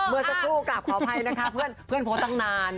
เมื่อสักครู่กลับขออภัยนะคะเพื่อนโพสต์ตั้งนาน